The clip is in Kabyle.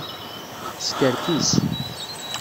Teskerkis.